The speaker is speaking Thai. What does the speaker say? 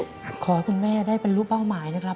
ขอให้คุณแม่ได้บรรลุเป้าหมายนะครับ